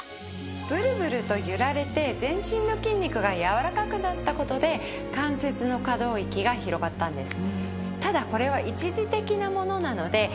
ブルブルと揺られて全身の筋肉がやわらかくなった事で関節の可動域が広がったんです。